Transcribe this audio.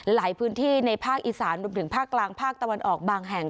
ในพื้นที่ในภาคอีสานรวมถึงภาคกลางภาคตะวันออกบางแห่ง